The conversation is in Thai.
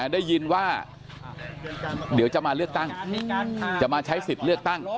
ได้ยินว่าเดี๋ยวจะมาเลือกตั้งจะมาใช้สิทธิ์เลือกตั้ง